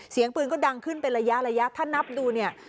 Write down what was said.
เสียงปืนก็ดังขึ้นเป็นระยะระยะถ้านับดูเนี่ย